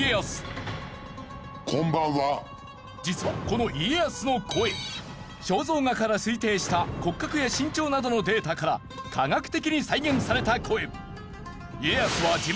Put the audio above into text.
実はこの家康の声肖像画から推定した骨格や身長などのデータから科学的に再現された声。